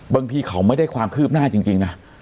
บางทีเขาไม่ได้ความคืบหน้าจริงนะ